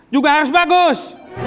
juga harus bagus